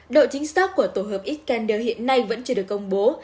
độ chính xác của tổ hợp iskander hiện nay vẫn chưa được công bố